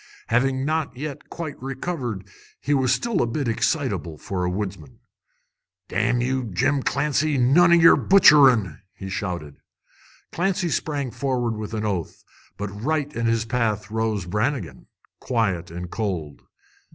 Having not yet quite recovered, he was still a bit excitable for a woodsman. "Damn you, Jim Clancy, none o' yer butcherin'!" he shouted. Clancy sprang forward with an oath, but right in his path rose Brannigan, quiet and cold.